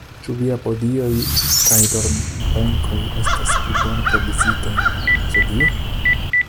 Ĉu viaj podioj kaj dormbenkoj estas pli bone provizitaj ĉe vi?